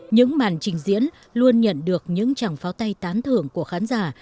những màn trình diễn luôn nhận được những chẳng pháo tay tán thưởng của khán giả